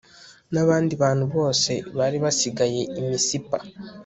n abandi bantu bose bari barasigaye i misipa